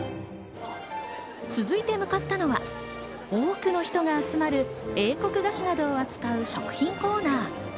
続いて向かったのは多くの人が集まる英国菓子などを扱う食品コーナー。